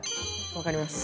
分かります。